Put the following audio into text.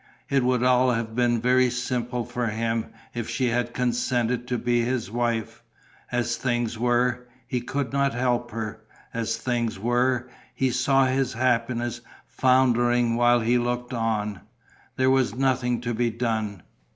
It would all have been very simple for him, if she had consented to be his wife. As things were, he could not help her. As things were, he saw his happiness foundering while he looked on: there was nothing to be done.